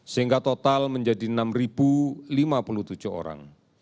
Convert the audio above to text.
sehingga total menjadi enam lima puluh tujuh orang